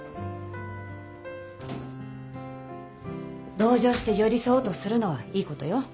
同情して寄り添おうとするのはいいことよ。